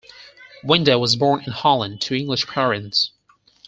Winde was born in Holland to English parents.